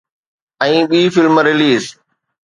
۽ ٻي film release